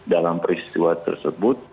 dalam peristiwa tersebut